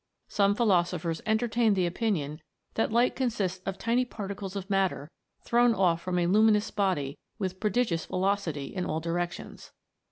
Some philosophers entertain the opinion that light consists of tiny particles of matter thrown off from a luminous body with pro digious velocity in all directions.